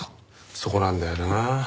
そこなんだよな。